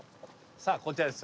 さあこちらです。